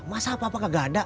masa papa kagak ada